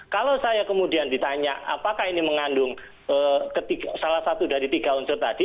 kalau saya kemudian ditanya apakah ini mengandung salah satu dari tiga unsur tadi